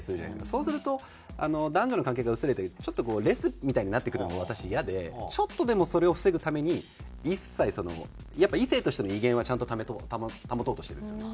そうするとあの男女の関係が薄れてちょっとレスみたいになってくるのが私イヤでちょっとでもそれを防ぐために一切そのやっぱ異性としての威厳はちゃんと保とうとしてるんですよね。